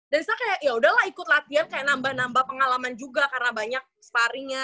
dan kita kayak yaudahlah ikut latihan kayak nambah nambah pengalaman juga karena banyak sparring nya